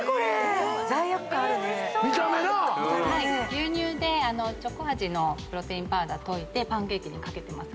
牛乳でチョコ味のプロテインパウダー溶いてパンケーキに掛けてます。